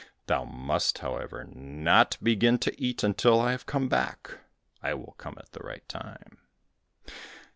Thou must, however, not begin to eat until I have come back, I will come at the right time."